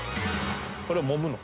これもむの？